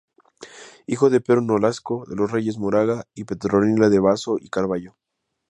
Hijo de Pedro Nolasco de los Reyes Moraga y Petronila de Basso y Carvallo.